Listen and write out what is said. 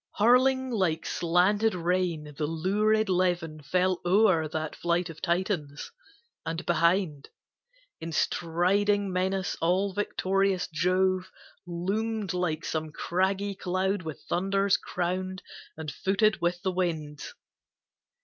Hurling like slanted rain, the lurid levin Fell o'er that flight of Titans, and behind, In striding menace, all victorious Jove Loomed like some craggy cloud with thunders crowned And footed with the winds.